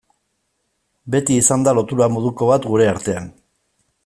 Beti izan da lotura moduko bat gure artean.